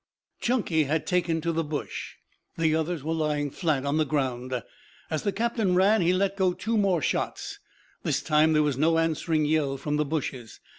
Chunky had taken to the bush. The others were lying flat on the ground. As the captain ran he let go two more shots. This time there was no answering yell from the bushes.